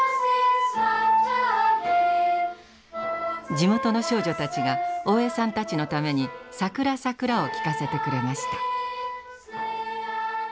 地元の少女たちが大江さんたちのために「さくらさくら」を聴かせてくれました。